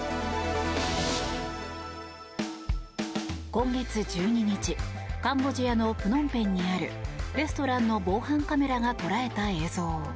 今月１２日カンボジアのプノンペンにあるレストランの防犯カメラが捉えた映像。